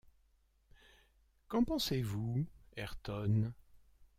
Qu’en pensez-vous, Ayrton